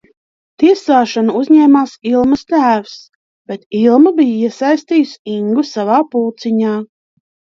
Tiesāšanu uzņēmās Ilmas tēvs, bet Ilma bija iesaistījusi Ingu savā pulciņā.